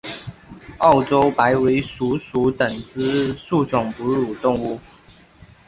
澳洲白尾鼠属等之数种哺乳动物。